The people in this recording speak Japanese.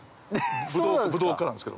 そうなんですか。